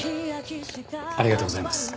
ありがとうございます。